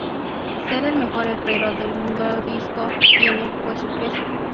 Ser el mejor herrero del Mundodisco tiene, pues su precio.